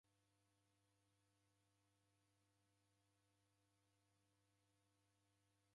Uhu mbonyikazi simkunde putu, hata wa duhu!